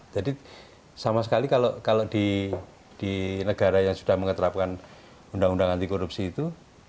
jadi sama sekali kalau di negara yang sudah mengeterapkan undang undang anti korupsi itu